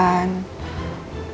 bayarin sertifikat rumahnya papa